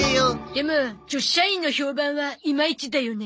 でも女子社員の評判はイマイチだよね。